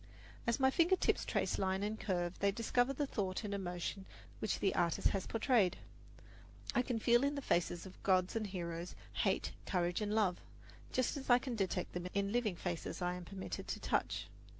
As my finger tips trace line and curve, they discover the thought and emotion which the artist has portrayed. I can feel in the faces of gods and heroes hate, courage and love, just as I can detect them in living faces I am permitted to touch.